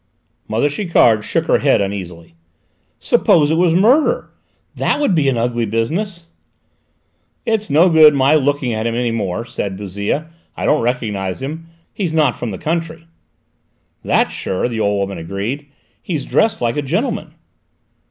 Mother Chiquard shook her head uneasily. "Suppose it was a murder! That would be an ugly business!" "It's no good my looking at him any more," said Bouzille. "I don't recognise him; he's not from the country." "That's sure," the old woman agreed. "He's dressed like a gentleman."